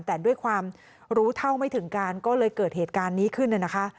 แต่ด้วยความรู้เท่าไม่ถึงการก็เลยเกิดเหตุการณ์นี้ขึ้นนะคะ